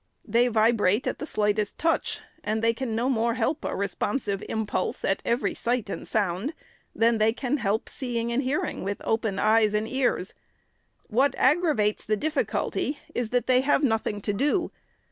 They vibrate at the slightest touch ; and they can no more help a responsive impulse at every sight and sound, than they can help seeing and hearing with open eyes and ears. What aggravates the difficulty is, that they have nothing to do.